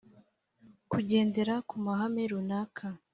kugendera ku mahame runaka